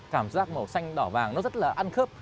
cảm giác màu xanh đỏ vàng nó rất là ăn khớp